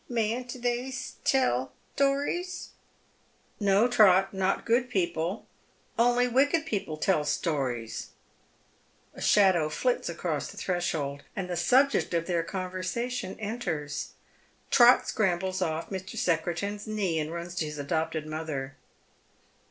Mayn't they tell tones ?"" No, Trot, not good people. Only wicked people tell stories." A shadow flits across the threshold, and the subject of their conversation enters. Trot scrambles oS Mr. Secretan's knee and runs to his adopted mother.